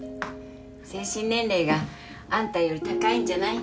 精神年齢があんたより高いんじゃない？